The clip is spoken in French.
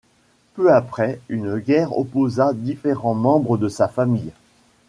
Peu après, une guerre opposa différents membres de sa famille.